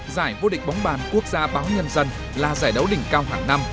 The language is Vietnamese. giải vô địch bóng bàn quốc gia báo nhân dân là giải đấu đỉnh cao hàng năm